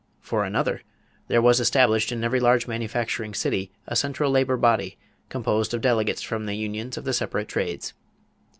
For another, there was established in every large manufacturing city a central labor body composed of delegates from the unions of the separate trades.